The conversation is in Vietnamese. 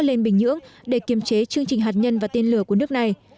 lên bình nhưỡng để kiềm chế chương trình hạt nhân và tên lửa của nước này